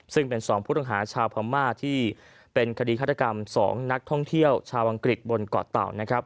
ซึ่งเป็น๒ผู้ต้องหาชาวพม่าที่เป็นคดีฆาตกรรม๒นักท่องเที่ยวชาวอังกฤษบนเกาะเต่านะครับ